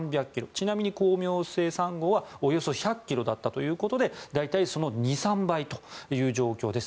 ちなみに「光明星３号」はおよそ１００ｋｇだったということで大体その２３倍という状況です。